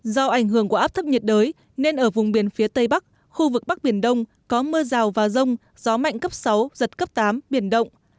do ảnh hưởng của áp thấp nhiệt đới nên ở vùng biển phía tây bắc khu vực bắc biển đông có mưa rào và rông gió mạnh cấp sáu giật cấp tám biển động